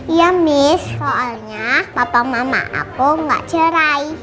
iya miss soalnya papa mama aku nggak cerai